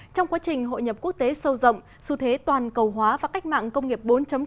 trong quá trình hội nhập quốc tế sâu rộng xu thế toàn cầu hóa và cách mạng công nghiệp bốn